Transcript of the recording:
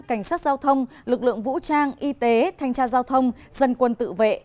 cảnh sát giao thông lực lượng vũ trang y tế thanh tra giao thông dân quân tự vệ